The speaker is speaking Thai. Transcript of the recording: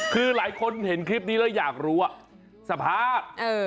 คือหลายคนเห็นคลิปนี้แล้วอยากรู้